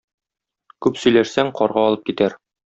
Күп сөйләшсәң, карга алып китәр.